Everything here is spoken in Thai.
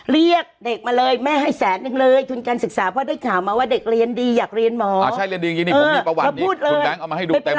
เรียกเด็กมาเลยแม่ให้แสนนึงเลยทุนการศึกษาเพราะได้ข่าวมาว่าเด็กเรียนดีอยากเรียนหมอ